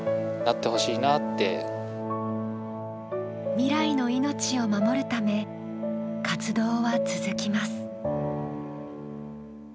未来の命を守るため活動は続きます。